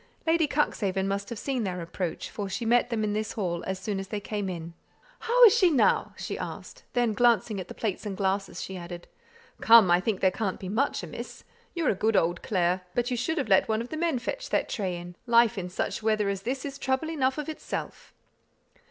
Lady Cuxhaven must have seen their approach, for she met them in this hall as soon as they came in. "How is she now?" she asked; then glancing at the plates and glasses, she added, "Come, I think there can't be much amiss! You're a good old Clare, but you should have let one of the men fetch that tray in; life in such weather as this is trouble enough of itself."